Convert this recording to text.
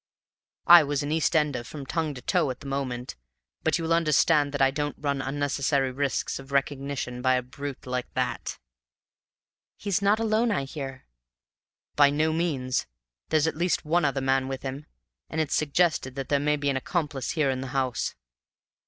I was an Eastender from tongue to toe at the moment, but you will understand that I don't run unnecessary risks of recognition by a brute like that." "He's not alone, I hear." "By no means; there's at least one other man with him; and it's suggested that there may be an accomplice here in the house."